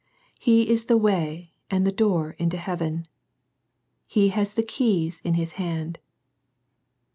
He is the Way and the Door into heaven. He has the keys in His hand.